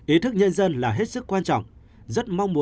ý thức nhân dân là hết sức quan trọng